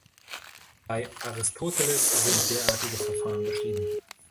Bei Aristoteles sind derartige Verfahren beschrieben.